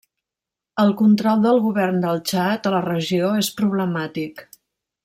El control del govern del Txad a la regió és problemàtic.